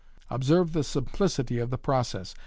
Observe the simplicity of the process.